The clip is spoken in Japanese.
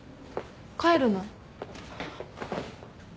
帰るの？